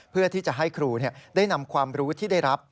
เพื่อที่จะให้ครูได้นำความรู้ที่ได้รับ